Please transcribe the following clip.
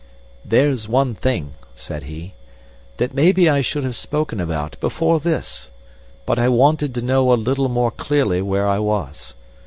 "There's one thing," said he, "that maybe I should have spoken about before this, but I wanted to know a little more clearly where I was.